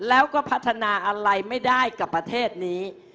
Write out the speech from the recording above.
แล้วก็พัฒนาอะไรไม่ได้กับประเทศนี้